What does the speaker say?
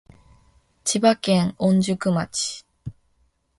千葉県御宿町